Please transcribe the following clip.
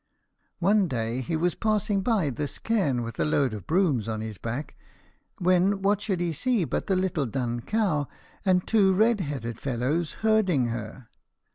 One day he was passing by this cairn with a load of brooms on his back, when what should he see but the little dun cow and two red headed fellows herding her.